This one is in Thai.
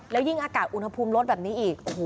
แล้วยิ่งอากาศอุณหภูมิลดแบบนี้อีก